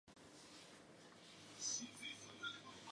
She had two younger sisters, Jennifer and Hannah.